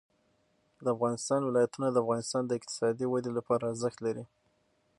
د افغانستان ولايتونه د افغانستان د اقتصادي ودې لپاره ارزښت لري.